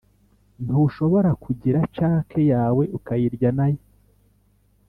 ntushobora kugira cake yawe ukayirya nayo